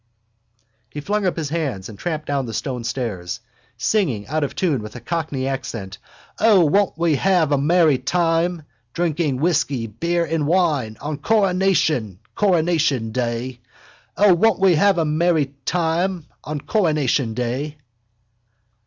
He flung up his hands and tramped down the stone stairs, singing out of tune with a Cockney accent: O, won't we have a merry time, Drinking whisky, beer and wine! On coronation, Coronation day! O, won't we have a merry time On coronation day!